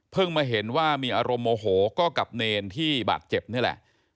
มาเห็นว่ามีอารมณ์โมโหก็กับเนรที่บาดเจ็บนี่แหละ